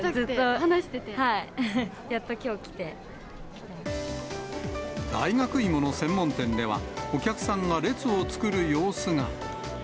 話してて、大学芋の専門店では、お客さんが列を作る様子が。